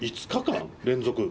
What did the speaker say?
５日間連続？